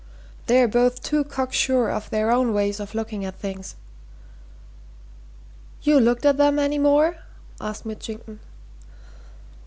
"They're both too cock sure of their own ways of looking at things." "You looked at 'em any more?" asked Mitchington.